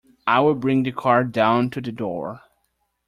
I will bring the car down to the door.